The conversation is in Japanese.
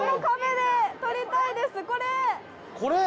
これ？